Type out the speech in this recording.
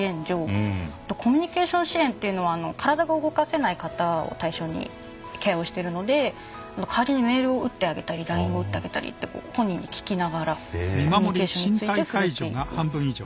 あとコミュニケーション支援というのは体が動かせない方を対象にケアをしているので代わりにメールを打ってあげたりＬＩＮＥを打ってあげたりって本人に聞きながらコミュニケーションについて触れていく。